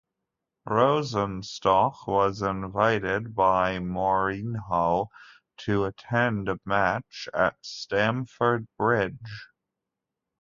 Rosenstock was invited by Mourinho to attend a match at Stamford Bridge.